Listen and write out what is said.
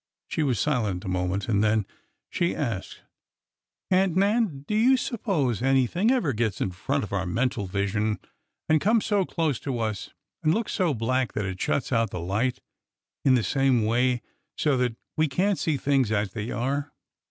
She was silent a moment, and then she asked: Aunt Nan, do you suppose anything ever gets in front of our mental vision and comes so close to us and looks so black that it shuts out the light in the same way, so that we can't see things as they are